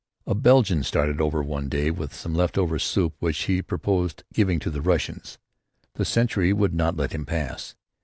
A Belgian started over one day with some leftover soup which he purposed giving to the Russians. The sentry would not let him pass.